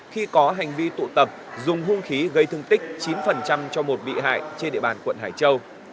khi có hành vi tụ tập dùng hung khí gây thương tích chín cho một bị hại trên địa bàn quận hải châu